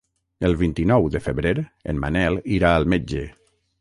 El vint-i-nou de febrer en Manel irà al metge.